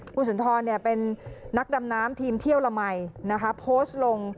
คุณสุนทรเป็นนักดำน้ำทีมเที่ยวละมัยนะคะโพสต์ลง